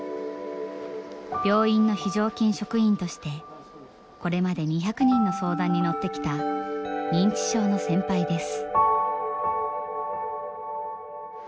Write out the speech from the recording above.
病院の非常勤職員としてこれまで２００人の相談に乗ってきた認知症の先輩です。